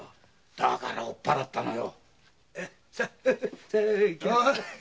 だから追っ払ったのよ。